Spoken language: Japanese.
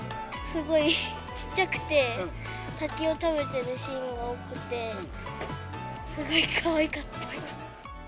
すごいちっちゃくて、竹を食べてるシーンが多くて、すごいかわいかった。